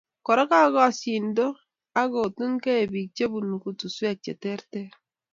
Kora, kokasindosh akotunkei bik che bunu kutuswek che ter ter